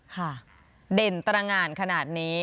เด่นตรงานขนาดนี้